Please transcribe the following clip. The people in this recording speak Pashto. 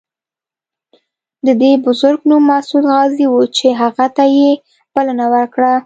د دې بزرګ نوم مسعود غازي و چې هغه ته یې بلنه ورکړه.